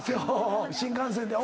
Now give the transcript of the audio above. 新幹線で。